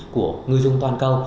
của người dùng toàn cầu